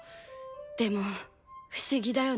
でも不思議だよね。